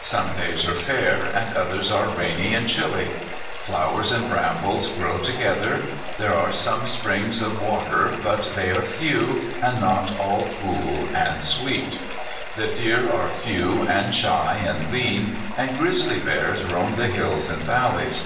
Some days are fair, and others are rainy and chilly; flowers and brambles grow^ together; there are some springs of water, but they are few, and not all cool and sweet; the deer are few and shy and lean, and grizzly bears roam the hills and valle3's.